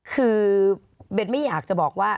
คือเบนไม่อยากจะบอกว่า